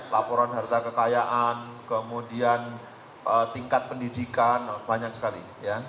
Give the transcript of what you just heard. laporan harta kekayaan kemudian tingkat pendidikan banyak sekali